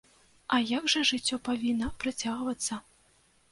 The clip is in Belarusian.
А як жа, жыццё павінна працягвацца.